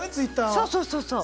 そうそうそうそう。